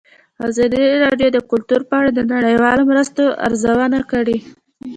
ازادي راډیو د کلتور په اړه د نړیوالو مرستو ارزونه کړې.